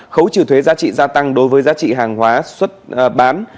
khấu trừ thuế giá trị gia tăng đối với giá trị hàng hóa xuất bán